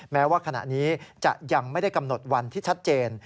แม้ว่าขณะนี้จะยังไม่ได้กำหนดวันที่ชัดเจน